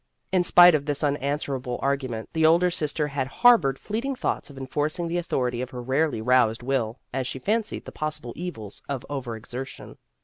In spite of this unanswer able argument, the older sister had har bored fleeting thoughts of enforcing the authority of her rarely roused will, as she fancied the possible evils of over exertion.